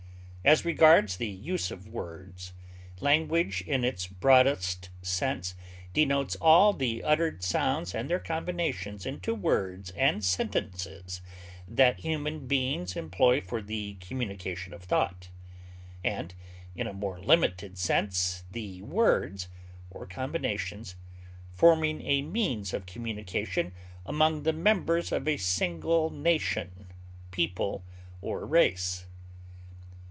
As regards the use of words, language in its broadest sense denotes all the uttered sounds and their combinations into words and sentences that human beings employ for the communication of thought, and, in a more limited sense, the words or combinations forming a means of communication among the members of a single nation, people, or race.